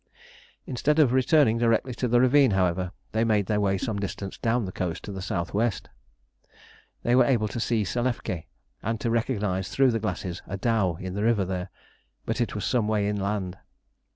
Instead of returning directly to the ravine, however, they made their way some distance down the coast to the S.W. They were able to see Selefké, and to recognise through the glasses a dhow in the river there, but it was some way inland.